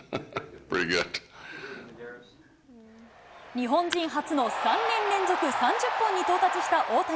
日本人初の３年連続３０本に到達した大谷。